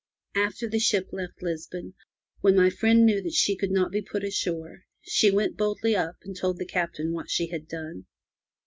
After the ship left Lisbon, when my friend knew that she could not be put ashore, she went boldly up and told the Captain what she had done.